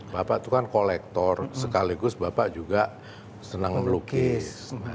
bapak itu kan kolektor sekaligus bapak juga senang melukis